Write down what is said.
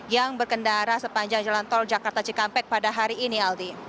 yang berkendara sepanjang jalan tol jakarta cikampek pada hari ini aldi